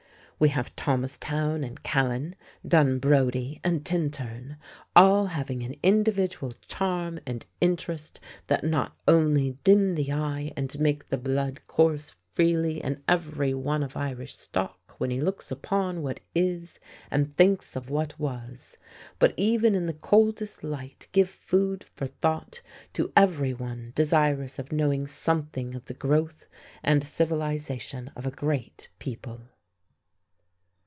We have Thomastown and Callan, Dunbrody and Tintern, all having an individual charm and interest that not only dim the eye and make the blood course freely in every one of Irish stock when he looks upon what is and thinks of what was, but even in the coldest light give food for thought to every one desirous of knowing something of the growth and civilization of a great people.